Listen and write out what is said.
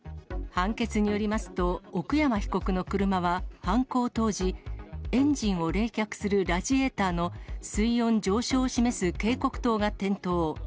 判決によりますと、奥山被告の車は犯行当時、エンジンを冷却するラジエーターの水温上昇を示す警告灯が点灯。